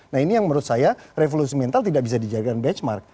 nah ini yang menurut saya revolusi mental tidak bisa dijadikan benchmark